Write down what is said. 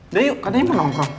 udah yuk katanya pernah nongkrong